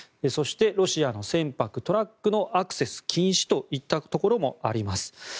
そして、ロシアの船舶トラックのアクセス禁止といったこともあります。